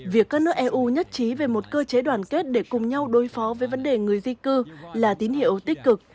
việc các nước eu nhất trí về một cơ chế đoàn kết để cùng nhau đối phó với vấn đề người di cư là tín hiệu tích cực